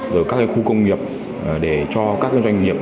rồi các khu công nghiệp để cho các doanh nghiệp